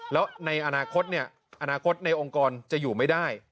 แล้วในอนาคตเนี่ยอนาคตในองค์กรจะอยู่ไม่ได้